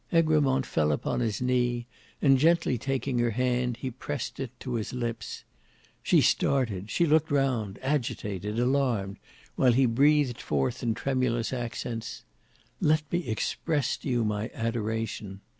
Egremont fell upon his knee and gently taking her hand he pressed it to his lips. She started, she looked round, agitated, alarmed, while he breathed forth in tremulous accents, "Let me express to you my adoration!